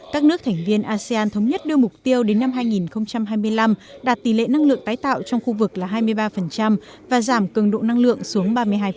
các nước thành viên asean thống nhất đưa mục tiêu đến năm hai nghìn hai mươi năm đạt tỷ lệ năng lượng tái tạo trong khu vực là hai mươi ba và giảm cường độ năng lượng xuống ba mươi hai